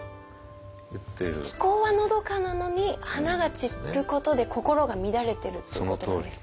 気候はのどかなのに花が散ることで心が乱れてるってことですか。